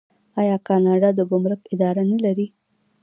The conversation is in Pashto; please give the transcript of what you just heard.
آیا کاناډا د ګمرک اداره نلري؟